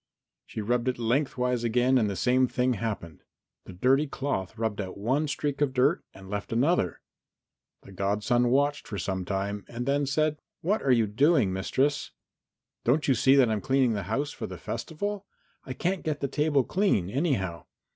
She rubbed it lengthwise again and the same thing happened. The dirty cloth rubbed out one streak of dirt and left another. The godson watched for some time and then said, "What are you doing, mistress?" "Don't you see that I'm cleaning the house for the festival? I can't get the table clean, anyhow.